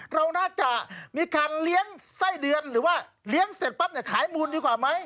เราน่าจะมีการเลี้ยงไส้เดือนหรือว่าเลี้ยงเสร็จปั๊บเนี่ยขายมูลดีกว่าไหม